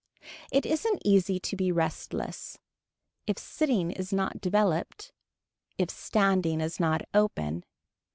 It isn't easy to be restless. If sitting is not developed. If standing is not open.